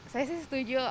saya sih setuju